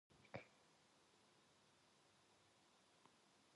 하면서도 그 술잔을 받지 않을 수는 없었다.